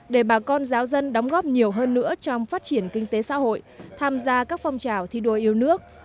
để bà con giáo dân đóng góp nhiều hơn nữa trong phát triển kinh tế xã hội tham gia các phong trào thi đua yêu nước